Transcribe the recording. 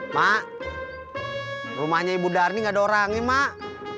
mak rumahnya ibu darni gak ada orangnya mak